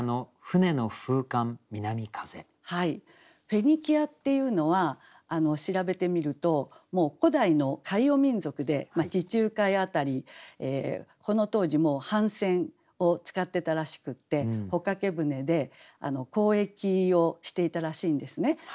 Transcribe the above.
「フェニキア」っていうのは調べてみると古代の海洋民族で地中海辺りこの当時もう帆船を使ってたらしくって帆掛け舟で交易をしていたらしいんですね。